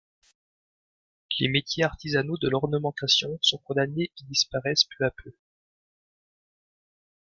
Les métiers artisanaux de l'ornementation sont condamnés et disparaissent peu à peu.